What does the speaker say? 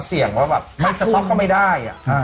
แล้วเสี่ยงว่าสก็ไม่ได้